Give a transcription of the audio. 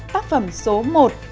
tác phẩm số một